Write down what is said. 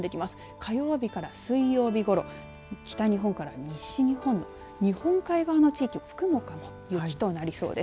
火曜日から水曜日ごろ北日本から西日本日本海側の地域福岡も雪となりそうです。